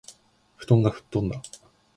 布団がふっとんだ